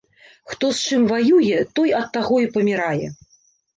Хто з чым ваюе, той ад таго і памірае.